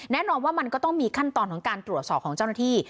แน่นอนว่ามันก็ต้องมีขั้นตอนของการตรวจสอบของเจ้าหน้าที่